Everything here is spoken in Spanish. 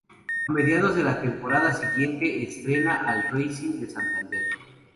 A mediados de la temporada siguiente entrena al Racing de Santander.